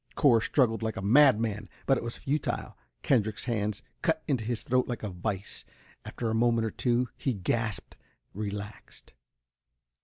Cor struggled like a madman, but it was futile. Kendrick's hands cut into his throat like a vice. After a moment or two, he gasped, relaxed.